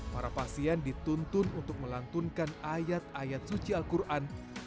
para pasien dituntun untuk melantunkan ayat ayat suci al quran